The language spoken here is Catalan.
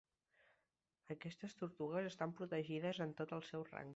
Aquestes tortugues estan protegides en tot el seu rang.